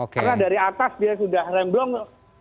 karena dari atas dia sudah rem blong